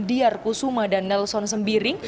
diyar kusuma dan nelson sembiring